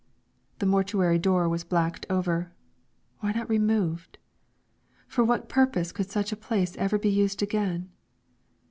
The mortuary door was blacked over. Why not removed? For what purpose could such a place ever be used again?